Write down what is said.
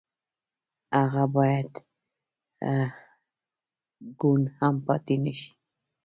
هغه بايد کوڼ هم پاتې نه شي.